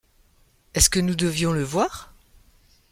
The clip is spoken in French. Est-ce que nous devions le voir ?